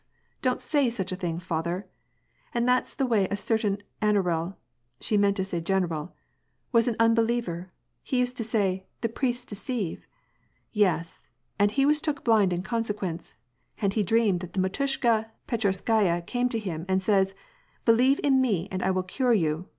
don't say such a thing, father. And that's the way a certain anaral "— she meant to say general — "was an unbeliever: he u.sed to say, Hhe priests deceive.' Yes, and he was took blind in consequence. And he dreamed that the mdtushka Petchorskaya * came to him and says :* Be lieve in me and I will cure you.'